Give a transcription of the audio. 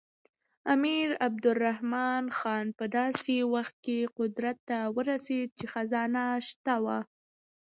امیر عبدالرحمن خان په داسې وخت کې قدرت ته ورسېد چې خزانه تشه وه.